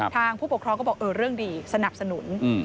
ผู้ปกครองก็บอกเออเรื่องดีสนับสนุน